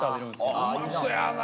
うまそやな！